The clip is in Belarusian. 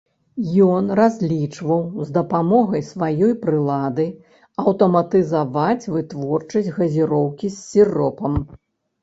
Ён разлічваў з дапамогай сваёй прылады аўтаматызаваць вытворчасць газіроўкі з сіропам.